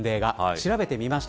調べてみました。